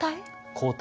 抗体？